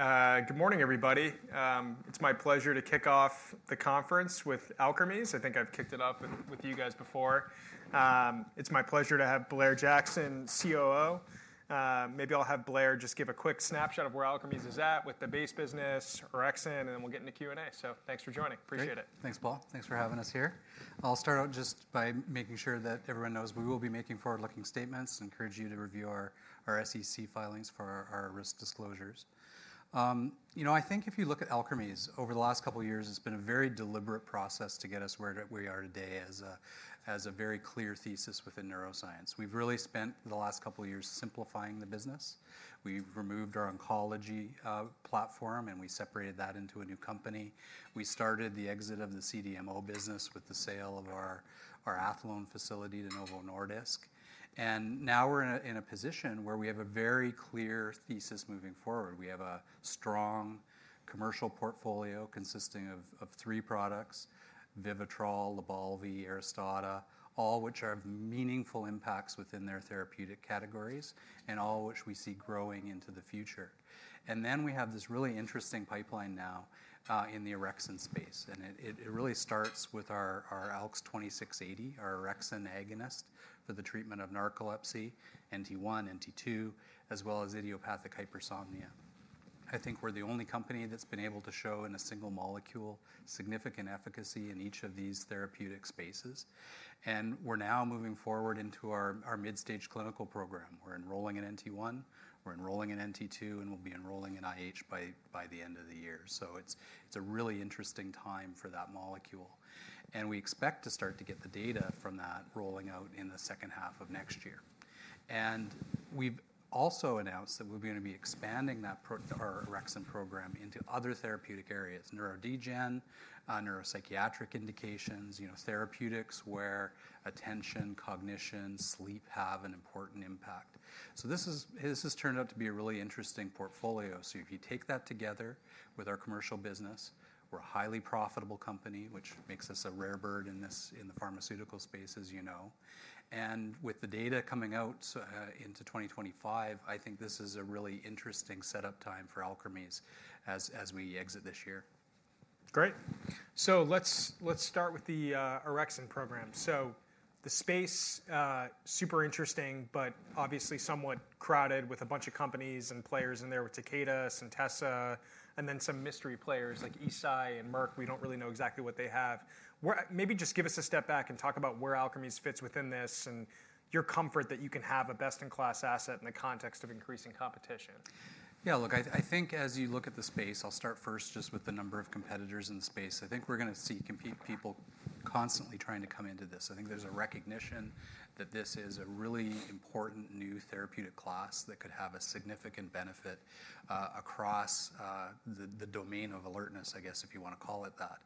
All right. Good morning, everybody. It's my pleasure to kick off the conference with Alkermes. I think I've kicked it off with you guys before. It's my pleasure to have Blair Jackson, COO. Maybe I'll have Blair just give a quick snapshot of where Alkermes is at with the base business, orexin, and then we'll get into Q&A. So thanks for joining. Appreciate it. Thanks, Paul. Thanks for having us here. I'll start out just by making sure that everyone knows we will be making forward-looking statements. Encourage you to review our SEC filings for our risk disclosures. You know, I think if you look at Alkermes, over the last couple of years, it's been a very deliberate process to get us where we are today as a very clear thesis within neuroscience. We've really spent the last couple of years simplifying the business. We've removed our oncology platform, and we separated that into a new company. We started the exit of the CDMO business with the sale of our Athlone facility to Novo Nordisk, and now we're in a position where we have a very clear thesis moving forward. We have a strong commercial portfolio consisting of three products: Vivitrol, Lybalvi, Aristada, all of which have meaningful impacts within their therapeutic categories, and all of which we see growing into the future. And then we have this really interesting pipeline now in the orexin space. And it really starts with our ALX2680, our orexin agonist for the treatment of narcolepsy, NT1, NT2, as well as idiopathic hypersomnia. I think we're the only company that's been able to show, in a single molecule, significant efficacy in each of these therapeutic spaces. And we're now moving forward into our mid-stage clinical program. We're enrolling in NT1, we're enrolling in NT2, and we'll be enrolling in IH by the end of the year. So it's a really interesting time for that molecule. And we expect to start to get the data from that rolling out in the second half of next year. We've also announced that we're going to be expanding our orexin program into other therapeutic areas: neurodegen, neuropsychiatric indications, therapeutics where attention, cognition, sleep have an important impact. So this has turned out to be a really interesting portfolio. So if you take that together with our commercial business, we're a highly profitable company, which makes us a rare bird in the pharmaceutical space, as you know. With the data coming out into 2025, I think this is a really interesting setup time for Alkermes as we exit this year. Great. So let's start with the orexin program. So the space, super interesting, but obviously somewhat crowded with a bunch of companies and players in there with Takeda and Centessa, and then some mystery players like Eisai and Merck. We don't really know exactly what they have. Maybe just give us a step back and talk about where Alkermes fits within this and your comfort that you can have a best-in-class asset in the context of increasing competition. Yeah, look, I think as you look at the space, I'll start first just with the number of competitors in the space. I think we're going to see people constantly trying to come into this. I think there's a recognition that this is a really important new therapeutic class that could have a significant benefit across the domain of alertness, I guess, if you want to call it that.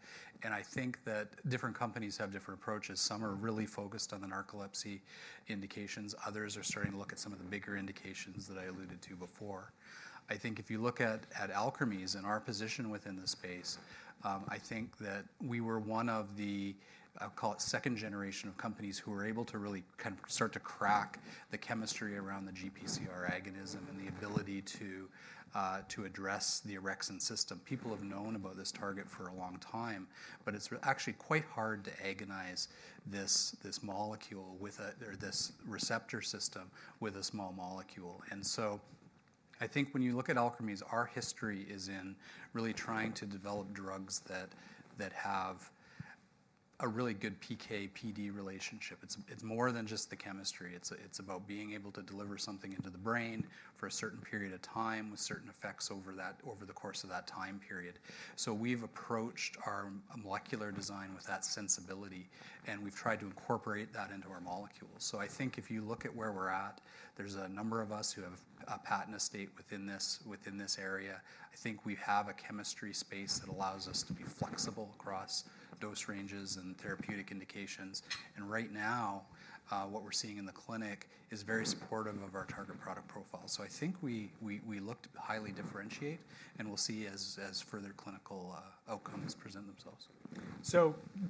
And I think that different companies have different approaches. Some are really focused on the narcolepsy indications. Others are starting to look at some of the bigger indications that I alluded to before. I think if you look at Alkermes and our position within the space, I think that we were one of the, I'll call it, second generation of companies who were able to really start to crack the chemistry around the GPCR agonism and the ability to address the orexin system. People have known about this target for a long time, but it's actually quite hard to agonize this molecule or this receptor system with a small molecule. And so I think when you look at Alkermes, our history is in really trying to develop drugs that have a really good PK/PD relationship. It's more than just the chemistry. It's about being able to deliver something into the brain for a certain period of time with certain effects over the course of that time period. We've approached our molecular design with that sensibility, and we've tried to incorporate that into our molecules, so I think if you look at where we're at, there's a number of us who have a patent estate within this area. I think we have a chemistry space that allows us to be flexible across dose ranges and therapeutic indications, and right now, what we're seeing in the clinic is very supportive of our target product profile, so I think we look to highly differentiate, and we'll see as further clinical outcomes present themselves.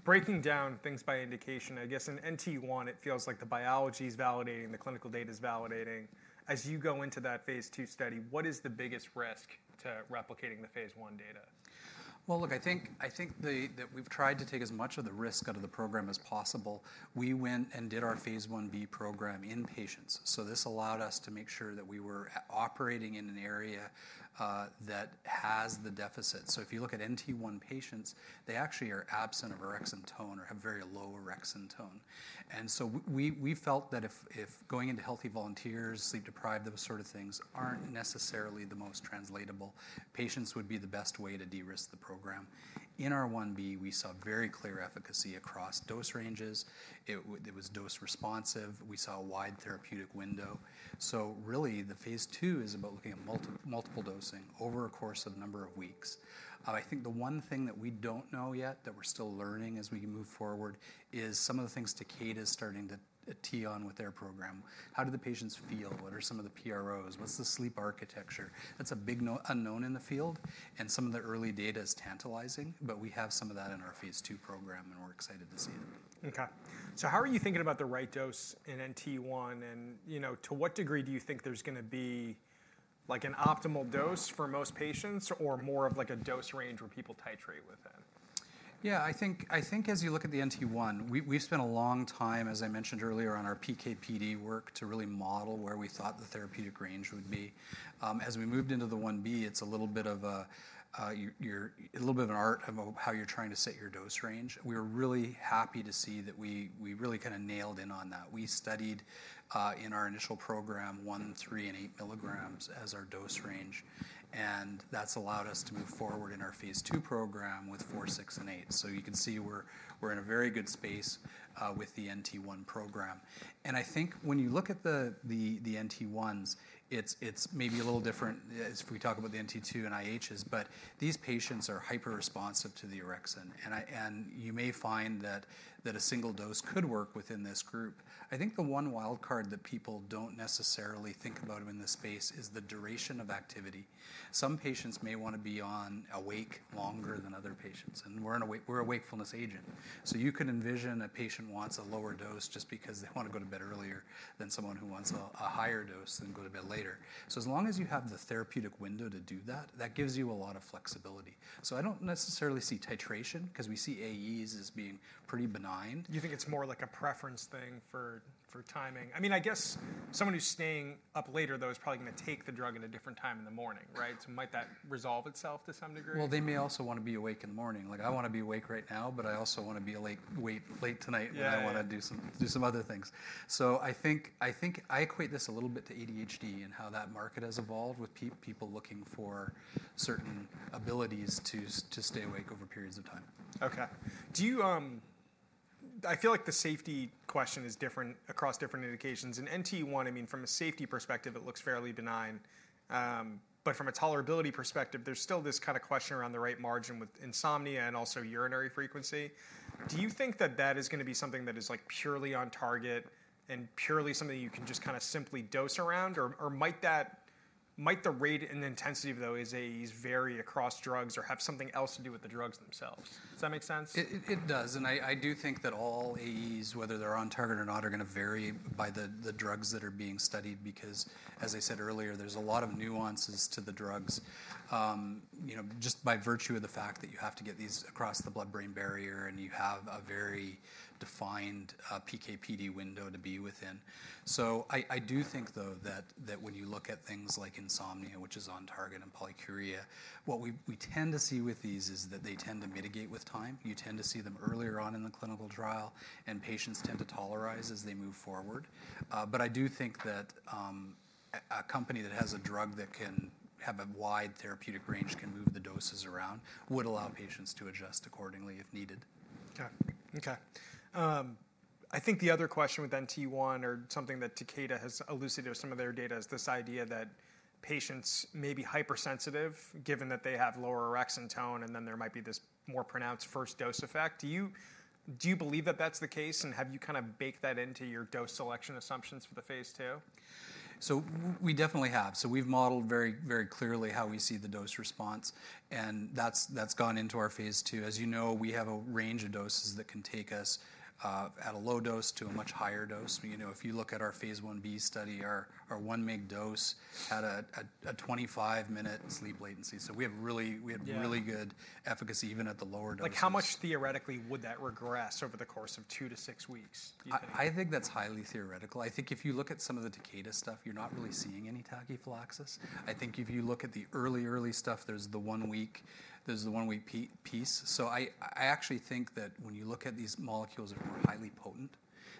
Breaking down things by indication, I guess in NT1, it feels like the biology is validating, the clinical data is validating. As you go into that phase II study, what is the biggest risk to replicating the phase I data? Look, I think that we've tried to take as much of the risk out of the program as possible. We went and did our phase I-B program in patients. So this allowed us to make sure that we were operating in an area that has the deficit. So if you look at NT1 patients, they actually are absent of a orexin tone or have very low orexin tone. And so we felt that if going into healthy volunteers, sleep deprived, those sort of things aren't necessarily the most translatable, patients would be the best way to de-risk the program. In our 1b, we saw very clear efficacy across dose ranges. It was dose responsive. We saw a wide therapeutic window. So really, the phase II is about looking at multiple dosing over a course of a number of weeks. I think the one thing that we don't know yet that we're still learning as we move forward is some of the things Takeda is starting to tee on with their program. How do the patients feel? What are some of the PROs? What's the sleep architecture? That's a big unknown in the field, and some of the early data is tantalizing, but we have some of that in our phase II program, and we're excited to see it. Okay. So how are you thinking about the right dose in NT1? And to what degree do you think there's going to be an optimal dose for most patients or more of a dose range where people titrate with it? Yeah, I think as you look at the NT1, we've spent a long time, as I mentioned earlier, on our PK/PD work to really model where we thought the therapeutic range would be. As we moved into the phase I-B, it's a little bit of an art of how you're trying to set your dose range. We were really happy to see that we really kind of nailed it on that. We studied in our initial program one, three, and eight milligrams as our dose range. And that's allowed us to move forward in our phase II program with four, six, and eight. So you can see we're in a very good space with the NT1 program. And I think when you look at the NT1s, it's maybe a little different if we talk about the NT2 and IHs, but these patients are hyper-responsive to the orexin. And you may find that a single dose could work within this group. I think the one wildcard that people don't necessarily think about in this space is the duration of activity. Some patients may want to be awake longer than other patients. And we're a wakefulness agent. So you can envision a patient who wants a lower dose just because they want to go to bed earlier than someone who wants a higher dose and go to bed later. So as long as you have the therapeutic window to do that, that gives you a lot of flexibility. So I don't necessarily see titration because we see AEs as being pretty benign. You think it's more like a preference thing for timing? I mean, I guess someone who's staying up later, though, is probably going to take the drug at a different time in the morning, right? So might that resolve itself to some degree? They may also want to be awake in the morning. Like I want to be awake right now, but I also want to be awake late tonight, and I want to do some other things. So I think I equate this a little bit to ADHD and how that market has evolved with people looking for certain abilities to stay awake over periods of time. Okay. I feel like the safety question is different across different indications. In NT1, I mean, from a safety perspective, it looks fairly benign. But from a tolerability perspective, there's still this kind of question around the right margin with insomnia and also urinary frequency. Do you think that that is going to be something that is purely on target and purely something you can just kind of simply dose around? Or might the rate and intensity of those AEs vary across drugs or have something else to do with the drugs themselves? Does that make sense? It does. And I do think that all AEs, whether they're on target or not, are going to vary by the drugs that are being studied because, as I said earlier, there's a lot of nuances to the drugs just by virtue of the fact that you have to get these across the blood-brain barrier, and you have a very defined PK/PD window to be within. So I do think, though, that when you look at things like insomnia, which is on target, and polyuria, what we tend to see with these is that they tend to mitigate with time. You tend to see them earlier on in the clinical trial, and patients tend to tolerize as they move forward. But I do think that a company that has a drug that can have a wide therapeutic range can move the doses around, would allow patients to adjust accordingly if needed. Okay. Okay. I think the other question with NT1 or something that Takeda has elucidated with some of their data is this idea that patients may be hypersensitive given that they have lower orexin tone, and then there might be this more pronounced first dose effect. Do you believe that that's the case, and have you kind of baked that into your dose selection assumptions for the phase II? We definitely have. We've modeled very clearly how we see the dose response. That's gone into our phase II. As you know, we have a range of doses that can take us at a low dose to a much higher dose. If you look at our phase I-B study, our one mg dose had a 25-minute sleep latency. We have really good efficacy even at the lower dose. Like how much theoretically would that regress over the course of two to six weeks? I think that's highly theoretical. I think if you look at some of the Takeda stuff, you're not really seeing any tachyphylaxis. I think if you look at the early, early stuff, there's the one week piece. So I actually think that when you look at these molecules that are more highly potent,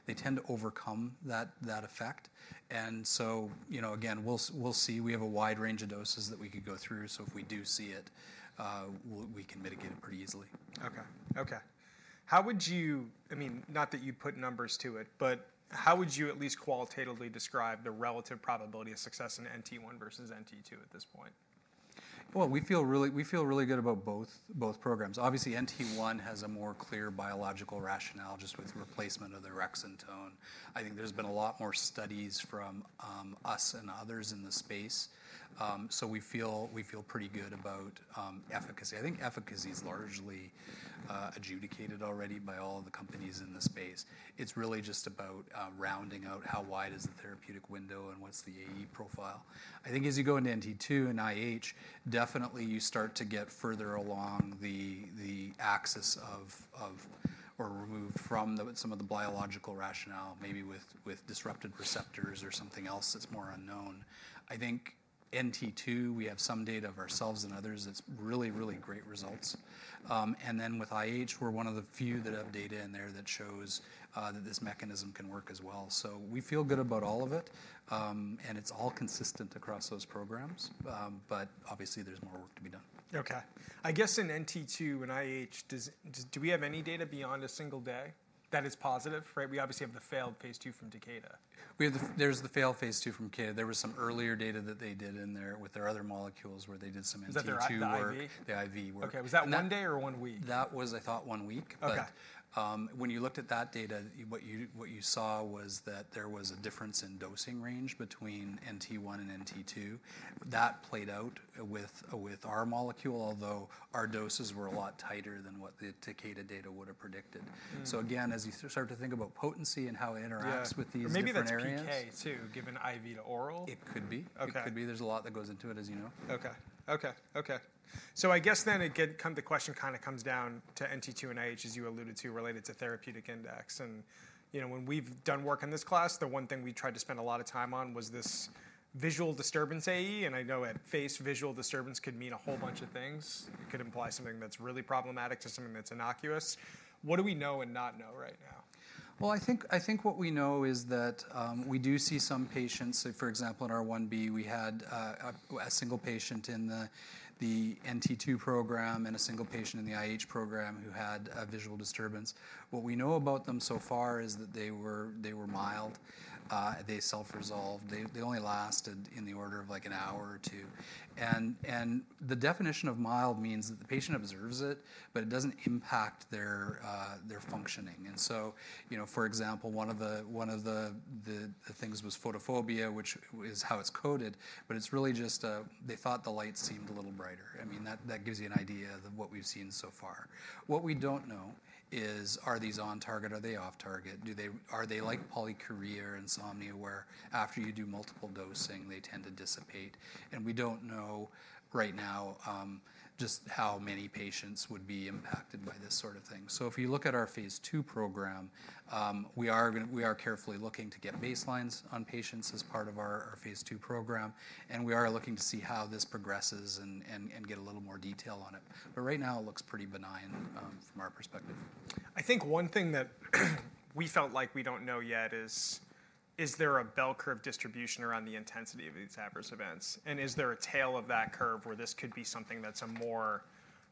they tend to overcome that effect. And so again, we'll see. We have a wide range of doses that we could go through. So if we do see it, we can mitigate it pretty easily. Okay. Okay. How would you, I mean, not that you put numbers to it, but how would you at least qualitatively describe the relative probability of success in NT1 versus NT2 at this point? We feel really good about both programs. Obviously, NT1 has a more clear biological rationale just with replacement of the orexin tone. I think there's been a lot more studies from us and others in the space. So we feel pretty good about efficacy. I think efficacy is largely adjudicated already by all the companies in the space. It's really just about rounding out how wide is the therapeutic window and what's the AE profile. I think as you go into NT2 and IH, definitely you start to get further along the axis or removed from some of the biological rationale, maybe with disrupted receptors or something else that's more unknown. I think NT2, we have some data of ourselves and others that's really, really great results. And then with IH, we're one of the few that have data in there that shows that this mechanism can work as well. So we feel good about all of it. And it's all consistent across those programs. But obviously, there's more work to be done. Okay. I guess in NT2 and IH, do we have any data beyond a single day that is positive? We obviously have the failed phase II from Takeda. There's the failed phase II from Takeda. There was some earlier data that they did in there with their other molecules where they did some NT2 work. Is that the IV? The IV work. Okay. Was that one day or one week? That was, I thought, one week. But when you looked at that data, what you saw was that there was a difference in dosing range between NT1 and NT2. That played out with our molecule, although our doses were a lot tighter than what the Takeda data would have predicted. So again, as you start to think about potency and how it interacts with these different areas. Maybe that's PK too, given IV to oral. It could be. It could be. There's a lot that goes into it, as you know. Okay. Okay. Okay. So I guess then the question kind of comes down to NT2 and IH, as you alluded to, related to therapeutic index. And when we've done work in this class, the one thing we tried to spend a lot of time on was this visual disturbance AE. And I know at face value, visual disturbance could mean a whole bunch of things. It could imply something that's really problematic to something that's innocuous. What do we know and not know right now? I think what we know is that we do see some patients. For example, in our one B, we had a single patient in the NT2 program and a single patient in the IH program who had a visual disturbance. What we know about them so far is that they were mild. They self-resolved. They only lasted in the order of like an hour or two. And the definition of mild means that the patient observes it, but it doesn't impact their functioning. And so, for example, one of the things was photophobia, which is how it's coded. But it's really just they thought the light seemed a little brighter. I mean, that gives you an idea of what we've seen so far. What we don't know is, are these on target? Are they off target? Are they like polyuria and insomnia where after you do multiple dosing, they tend to dissipate? And we don't know right now just how many patients would be impacted by this sort of thing. So if you look at our phase II program, we are carefully looking to get baselines on patients as part of our phase II program. And we are looking to see how this progresses and get a little more detail on it. But right now, it looks pretty benign from our perspective. I think one thing that we felt like we don't know yet is, is there a bell curve distribution around the intensity of these adverse events? And is there a tail of that curve where this could be something that's a more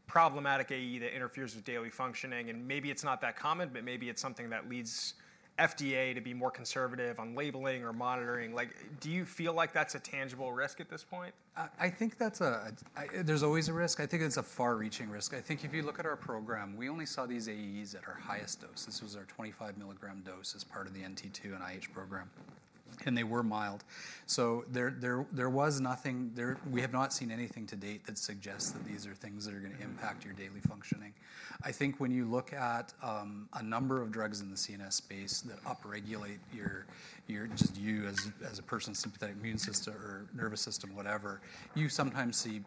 problematic AE that interferes with daily functioning? And maybe it's not that common, but maybe it's something that leads FDA to be more conservative on labeling or monitoring. Do you feel like that's a tangible risk at this point? I think there's always a risk. I think it's a far-reaching risk. I think if you look at our program, we only saw these AEs at our highest dose. This was our 25 milligram dose as part of the NT2 and IH program, and they were mild. So there was nothing we have not seen anything to date that suggests that these are things that are going to impact your daily functioning. I think when you look at a number of drugs in the CNS space that upregulate just you as a person's sympathetic immune system or nervous system, whatever, you sometimes see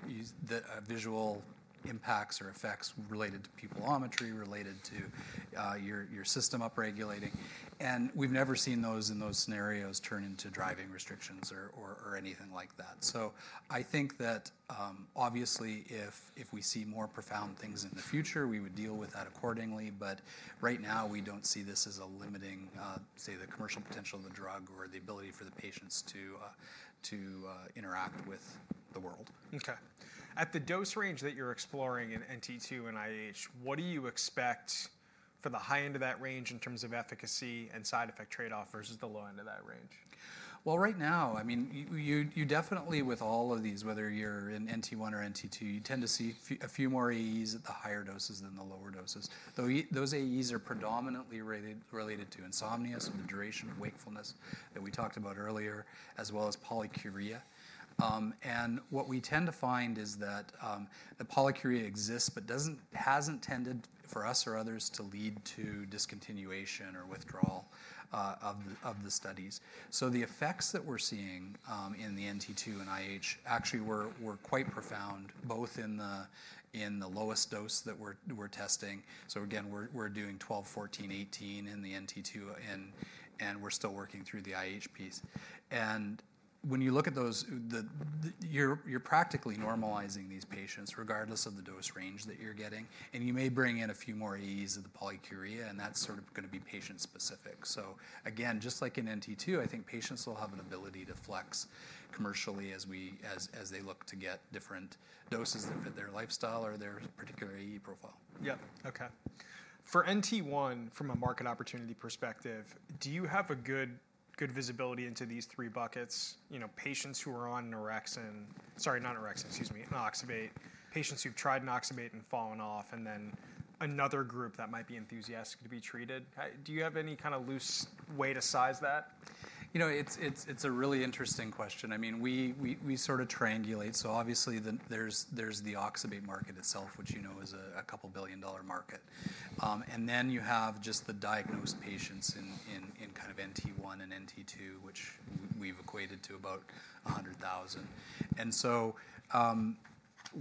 visual impacts or effects related to pupilometry, related to your system upregulating, and we've never seen those in those scenarios turn into driving restrictions or anything like that. So I think that obviously, if we see more profound things in the future, we would deal with that accordingly. But right now, we don't see this as a limiting, say, the commercial potential of the drug or the ability for the patients to interact with the world. Okay. At the dose range that you're exploring in NT2 and IH, what do you expect for the high end of that range in terms of efficacy and side effect trade-off versus the low end of that range? Right now, I mean, you definitely, with all of these, whether you're in NT1 or NT2, you tend to see a few more AEs at the higher doses than the lower doses. Though those AEs are predominantly related to insomnia, so the duration of wakefulness that we talked about earlier, as well as polyuria. And what we tend to find is that the polyuria exists, but hasn't tended for us or others to lead to discontinuation or withdrawal of the studies, so the effects that we're seeing in the NT2 and IH actually were quite profound, both in the lowest dose that we're testing. So again, we're doing 12, 14, 18 in the NT2, and we're still working through the IH piece. And when you look at those, you're practically normalizing these patients regardless of the dose range that you're getting. You may bring in a few more AEs of the polyuria, and that's sort of going to be patient-specific. Again, just like in NT2, I think patients will have an ability to flex commercially as they look to get different doses that fit their lifestyle or their particular AE profile. Yep. Okay. For NT1, from a market opportunity perspective, do you have a good visibility into these three buckets? Patients who are on Norexin, sorry, not Norexin, excuse me, oxybate, patients who've tried oxybate and fallen off, and then another group that might be enthusiastic to be treated. Do you have any kind of loose way to size that? You know, it's a really interesting question. I mean, we sort of triangulate. So obviously, there's the oxybate market itself, which you know is a $2 billion market. And then you have just the diagnosed patients in kind of NT1 and NT2, which we've equated to about 100,000. And so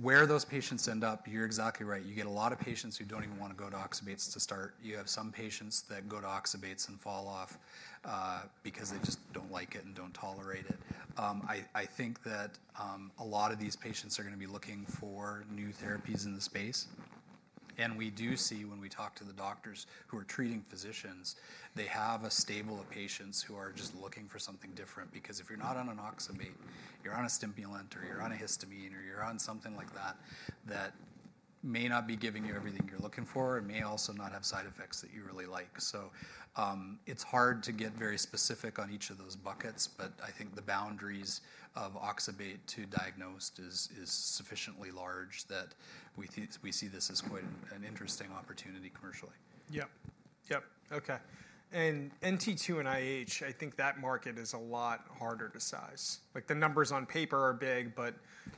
where those patients end up, you're exactly right. You get a lot of patients who don't even want to go to oxybates to start. You have some patients that go to oxybates and fall off because they just don't like it and don't tolerate it. I think that a lot of these patients are going to be looking for new therapies in the space. We do see when we talk to the doctors who are treating physicians, they have a stable of patients who are just looking for something different because if you're not on an oxybate, you're on a stimulant, or you're on a histamine, or you're on something like that, that may not be giving you everything you're looking for and may also not have side effects that you really like. So it's hard to get very specific on each of those buckets, but I think the boundaries of oxybate to diagnosed is sufficiently large that we see this as quite an interesting opportunity commercially. Yep. Yep. Okay. And NT2 and IH, I think that market is a lot harder to size. The numbers on paper are big, but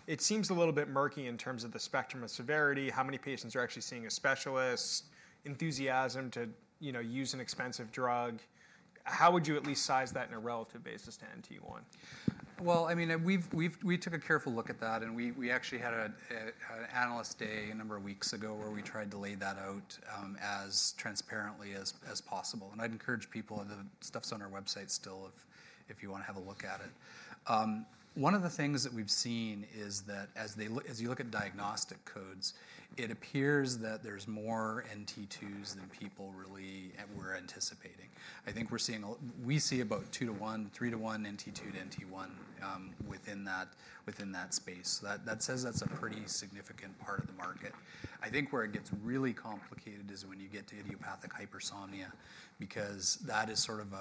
it seems a little bit murky in terms of the spectrum of severity, how many patients are actually seeing a specialist, enthusiasm to use an expensive drug. How would you at least size that in a relative basis to NT1? Well, I mean, we took a careful look at that. And we actually had an analyst day a number of weeks ago where we tried to lay that out as transparently as possible. And I'd encourage people to the stuff is on our website still if you want to have a look at it. One of the things that we've seen is that as you look at diagnostic codes, it appears that there's more NT2s than people really were anticipating. I think we see about two to one, three to one, NT2 to NT1 within that space. So that says that's a pretty significant part of the market. I think where it gets really complicated is when you get to idiopathic hypersomnia because that is sort of,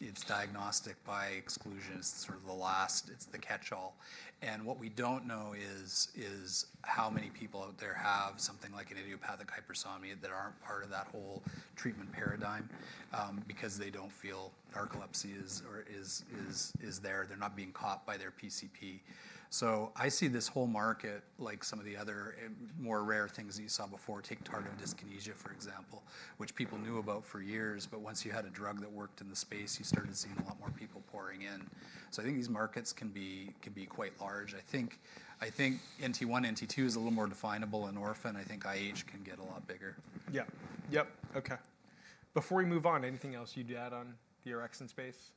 it's diagnostic by exclusion. It's sort of the last; it's the catch-all. What we don't know is how many people out there have something like an idiopathic hypersomnia that aren't part of that whole treatment paradigm because they don't feel narcolepsy is there. They're not being caught by their PCP. I see this whole market, like some of the other more rare things that you saw before, take tardive dyskinesia, for example, which people knew about for years. Once you had a drug that worked in the space, you started seeing a lot more people pouring in. I think these markets can be quite large. I think NT1, NT2 is a little more definable in orphan. I think IH can get a lot bigger. Yep. Yep. Okay. Before we move on, anything else you'd add on the orexin space?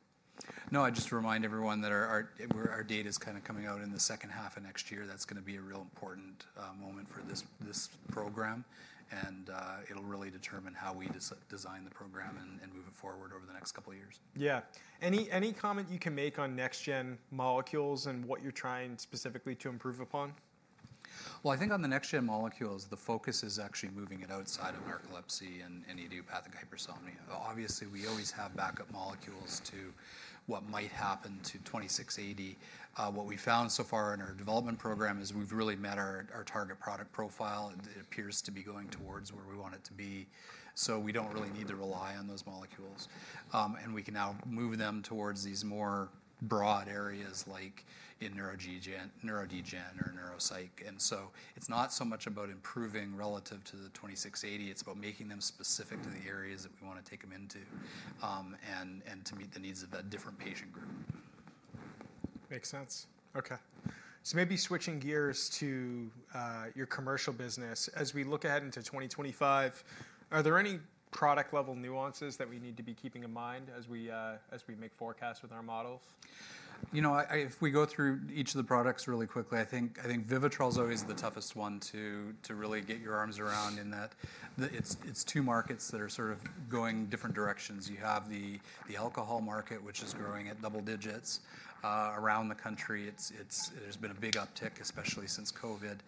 No, I just remind everyone that our data is kind of coming out in the second half of next year. That's going to be a real important moment for this program and it'll really determine how we design the program and move it forward over the next couple of years. Yeah. Any comment you can make on next-gen molecules and what you're trying specifically to improve upon? I think on the next-gen molecules, the focus is actually moving it outside of narcolepsy and idiopathic hypersomnia. Obviously, we always have backup molecules to what might happen to 2680. What we found so far in our development program is we've really met our target product profile. It appears to be going towards where we want it to be. We don't really need to rely on those molecules. We can now move them towards these more broad areas like in neurodegen or neuropsych. It's not so much about improving relative to the 2680. It's about making them specific to the areas that we want to take them into and to meet the needs of that different patient group. Makes sense. Okay. So maybe switching gears to your commercial business. As we look ahead into 2025, are there any product-level nuances that we need to be keeping in mind as we make forecasts with our models? You know, if we go through each of the products really quickly, I think Vivitrol is always the toughest one to really get your arms around in that it's two markets that are sort of going different directions. You have the alcohol market, which is growing at double digits around the country. There's been a big uptick, especially since COVID.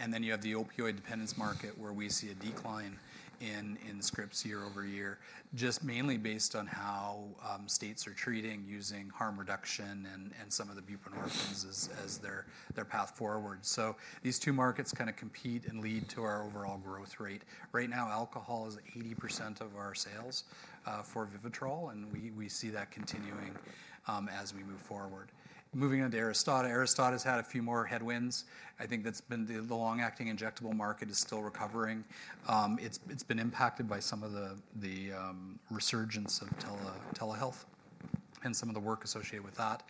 And then you have the opioid dependence market where we see a decline in scripts year over year, just mainly based on how states are treating using harm reduction and some of the buprenorphines as their path forward. So these two markets kind of compete and lead to our overall growth rate. Right now, alcohol is 80% of our sales for Vivitrol. And we see that continuing as we move forward. Moving on to Aristada. Aristada has had a few more headwinds. I think that's been the long-acting injectable market is still recovering. It's been impacted by some of the resurgence of telehealth and some of the work associated with that.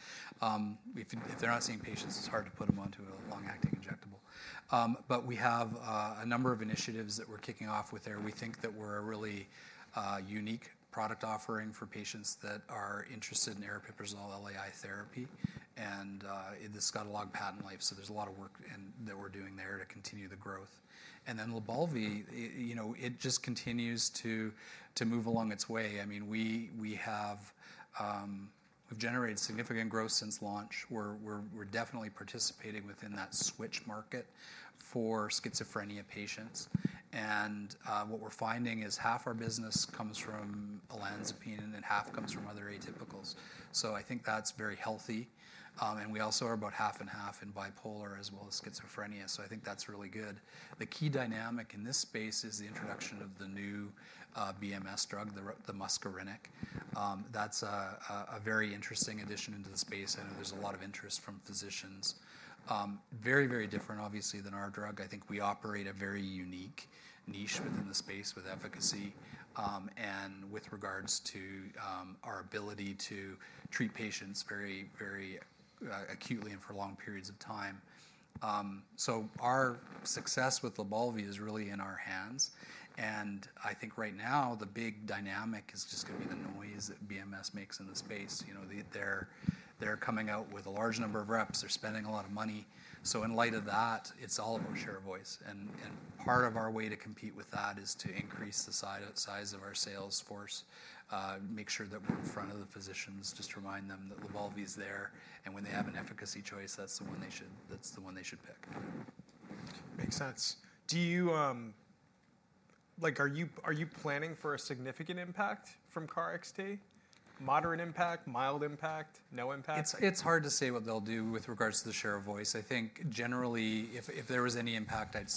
If they're not seeing patients, it's hard to put them onto a long-acting injectable. But we have a number of initiatives that we're kicking off with there. We think that we're a really unique product offering for patients that are interested in aripiprazole LAI therapy. And this got a long patent life. So there's a lot of work that we're doing there to continue the growth. And then Lybalvi, it just continues to move along its way. I mean, we've generated significant growth since launch. We're definitely participating within that switch market for schizophrenia patients. And what we're finding is half our business comes from olanzapine, and then half comes from other atypicals. So I think that's very healthy. And we also are about half and half in bipolar as well as schizophrenia. So I think that's really good. The key dynamic in this space is the introduction of the new BMS drug, the muscarinic. That's a very interesting addition into the space. I know there's a lot of interest from physicians. Very, very different, obviously, than our drug. I think we operate a very unique niche within the space with efficacy and with regards to our ability to treat patients very, very acutely and for long periods of time. So our success with Lybalvi is really in our hands. And I think right now, the big dynamic is just going to be the noise that BMS makes in the space. They're coming out with a large number of reps. They're spending a lot of money. So in light of that, it's all of our share of voice. Part of our way to compete with that is to increase the size of our sales force, make sure that we're in front of the physicians, just to remind them that Lybalvi is there. When they have an efficacy choice, that's the one they should pick. Makes sense. Are you planning for a significant impact from KarXT? Moderate impact, mild impact, no impact? It's hard to say what they'll do with regards to the share of voice. I think generally, if there was any impact, I'd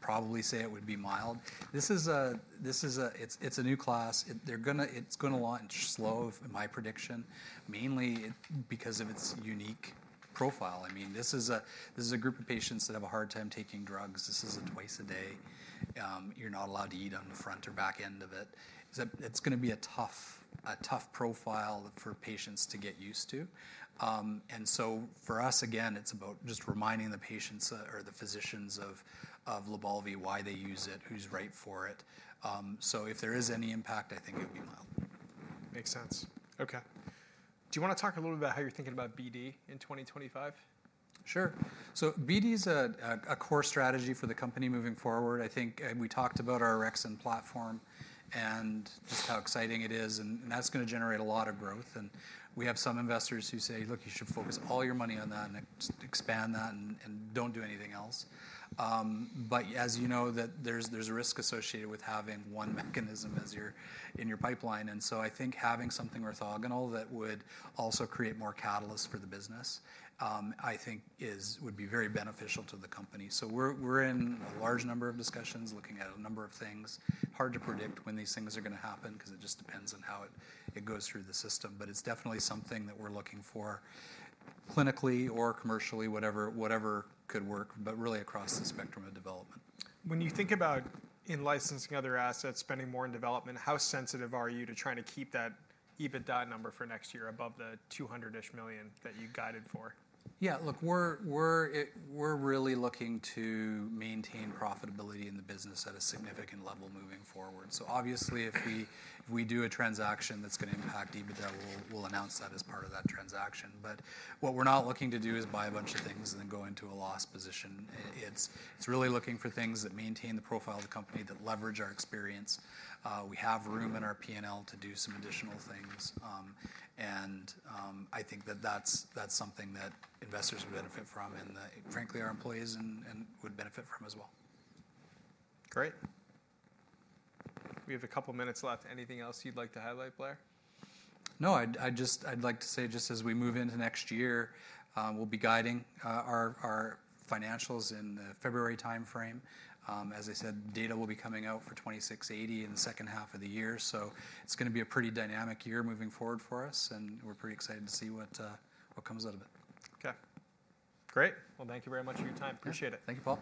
probably say it would be mild. It's a new class. It's going to launch slow, my prediction, mainly because of its unique profile. I mean, this is a group of patients that have a hard time taking drugs. This is a twice-a-day. You're not allowed to eat on the front or back end of it. It's going to be a tough profile for patients to get used to. And so for us, again, it's about just reminding the patients or the physicians of Lybalvi, why they use it, who's right for it. So if there is any impact, I think it would be mild. Makes sense. Okay. Do you want to talk a little bit about how you're thinking about BD in 2025? Sure, so BD is a core strategy for the company moving forward. I think we talked about our orexin platform and just how exciting it is, and that's going to generate a lot of growth, and we have some investors who say, look, you should focus all your money on that and expand that and don't do anything else, but as you know, there's a risk associated with having one mechanism in your pipeline, so I think having something orthogonal that would also create more catalysts for the business, I think, would be very beneficial to the company, so we're in a large number of discussions looking at a number of things. Hard to predict when these things are going to happen because it just depends on how it goes through the system. But it's definitely something that we're looking for clinically or commercially, whatever could work, but really across the spectrum of development. When you think about in licensing other assets, spending more in development, how sensitive are you to trying to keep that EBITDA number for next year above the $200-ish million that you guided for? Yeah. Look, we're really looking to maintain profitability in the business at a significant level moving forward. So obviously, if we do a transaction that's going to impact EBITDA, we'll announce that as part of that transaction. But what we're not looking to do is buy a bunch of things and then go into a loss position. It's really looking for things that maintain the profile of the company, that leverage our experience. We have room in our P&L to do some additional things. And I think that that's something that investors would benefit from and that, frankly, our employees would benefit from as well. Great. We have a couple of minutes left. Anything else you'd like to highlight, Blair? No. I'd like to say just as we move into next year, we'll be guiding our financials in the February time frame. As I said, data will be coming out for 2680 in the second half of the year. So it's going to be a pretty dynamic year moving forward for us. And we're pretty excited to see what comes out of it. Okay. Great. Well, thank you very much for your time. Appreciate it. Thank you, Paul.